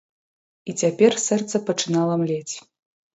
І цяпер сэрца пачынала млець.